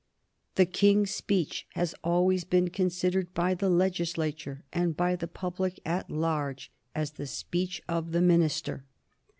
"The King's speech has always been considered by the legislature and by the public at large as the speech of the minister."